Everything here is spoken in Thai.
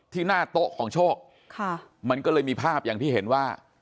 หน้าโต๊ะของโชคค่ะมันก็เลยมีภาพอย่างที่เห็นว่า